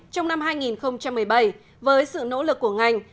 trong năm hai nghìn một mươi bảy với sự nỗ lực của ngành